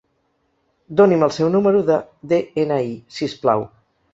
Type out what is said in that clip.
Doni'm el seu número de de-ena-i si us plau.